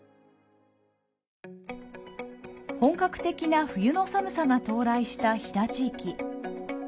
本格的な冬の寒さが到来した飛騨地域。